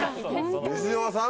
西島さん？